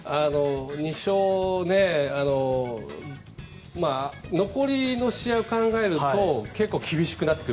２勝残りの試合を考えるとけっこう厳しくなってくる。